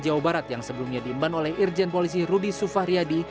jawa barat yang sebelumnya diimban oleh irjen polisi rudy sufahriyadi